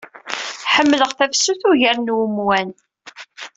Ḥemmleɣ tafsut ugar n wemwan.